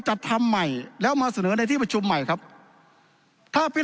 จัดทำใหม่แล้วมาเสนอในที่ประชุมใหม่ครับถ้าไป